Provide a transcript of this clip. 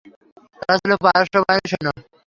তারা ছিল পারস্য বাহিনীর সৈন্য।